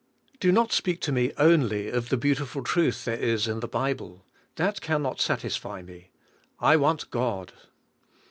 Do not speak to me only of the beautiful truth there is in the Bible. That can not satisfy me. I want God."